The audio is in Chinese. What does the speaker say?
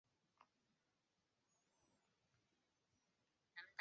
提督旗移于靖远。